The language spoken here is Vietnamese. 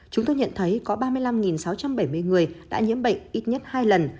chúng tôi nhận thấy có ba mươi năm sáu trăm bảy mươi người đã nhiễm bệnh ít nhất hai lần